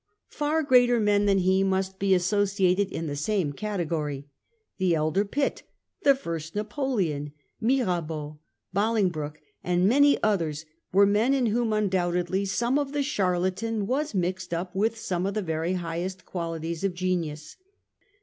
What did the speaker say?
Far greater men than he must be associated in the same category. The elder Pitt, the first Napoleon, Mirabeau, Bolingbroke, and many others, were men in whom undoubtedly some of the charlatan was mixed up with some of the very highest qualities of genius.